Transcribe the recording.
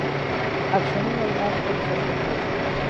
افشانهای از عطر را به سر خود پاشید.